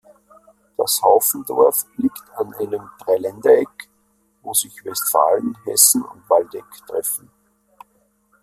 Das Haufendorf liegt an einem Dreiländereck, wo sich Westfalen, Hessen und Waldeck treffen.